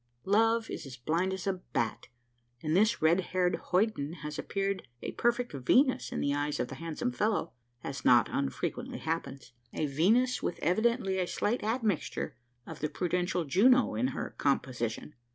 "Love is as blind as a bat; and this red haired hoyden has appeared a perfect Venus in the eyes of the handsome fellow as not unfrequently happens. A Venus with evidently a slight admixture of the prudential Juno in her composition.